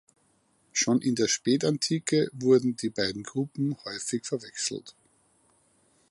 Schon in der Spätantike wurden die beiden Gruppen häufig verwechselt.